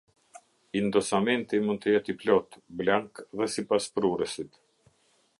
Indosamenti mund të jetë i plotë, blank dhe sipas prurësit.